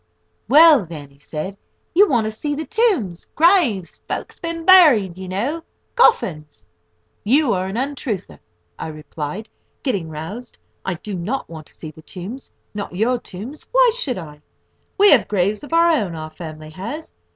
"Well then," he said, "you want to see the tombs—graves—folks been buried, you know—coffins!" "You are an untruther," I replied, getting roused; "I do not want to see tombs—not your tombs. Why should I? We have graves of our own, our family has.